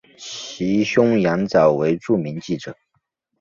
其兄羊枣为著名记者。